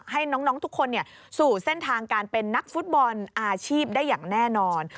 ให้น้องทุกคนสู่เส้นทางการเป็นนักฟุตบอลอาชีพได้อย่างแน่นอน